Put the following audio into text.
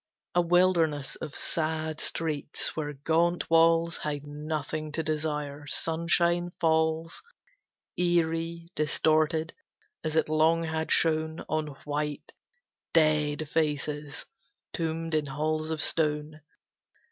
A wilderness of sad streets, where gaunt walls Hide nothing to desire; sunshine falls Eery, distorted, as it long had shone On white, dead faces tombed in halls of stone.